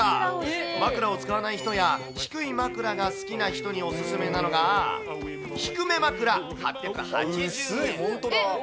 枕を使わない人や、低い枕が好きな人にお勧めなのが、薄い、本当だ。